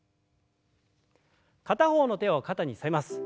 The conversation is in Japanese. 片方の手を肩にのせます。